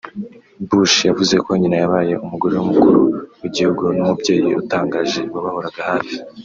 Bush yavuze ko nyina yabaye umugore w’Umukuru w’Igihugu n’umubyeyi utangaje wabahoraga hafi